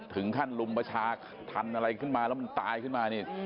ถึงขั้นลุมประชาธรรมอะไรขึ้นมาแล้วมันตายขึ้นมานี่